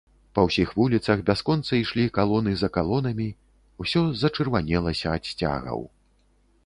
Па ўсіх вуліцах бясконца ішлі калоны за калонамі, усё зачырванелася ад сцягаў.